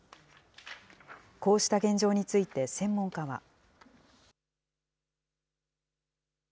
こうした現状について専門家は。